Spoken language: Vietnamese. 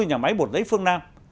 nhà máy bột giấy phương nam